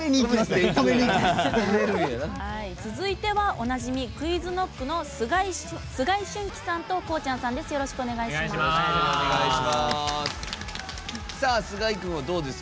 続いては、おなじみＱｕｉｚＫｎｏｃｋの須貝駿貴さんとこうちゃんさんです。